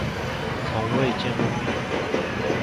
从未见过面